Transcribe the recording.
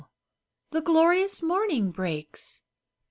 the glorious morning breaks